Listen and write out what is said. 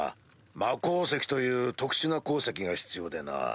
魔鉱石という特殊な鉱石が必要でな。